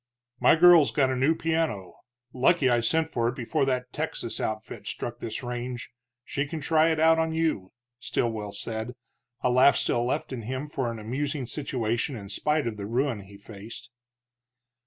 "My girl's got a new piano lucky I sent for it before that Texas outfit struck this range she can try it out on you," Stilwell said, a laugh still left in him for an amusing situation in spite of the ruin he faced.